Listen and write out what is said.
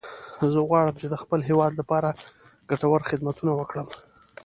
زه غواړم چې د خپل هیواد لپاره ګټور خدمتونه وکړم